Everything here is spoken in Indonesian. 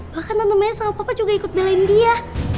bahkan temen temennya sama papa juga ikut belain dia